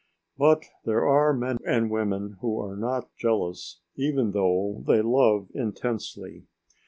But there are men and women who are not jealous even though they love intensely.